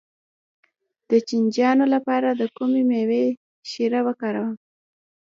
د چینجیانو لپاره د کومې میوې شیره وکاروم؟